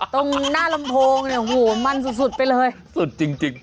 ตรงหน้าลำโพงเนี่ยโหมันสุดสุดไปเลยสุดจริง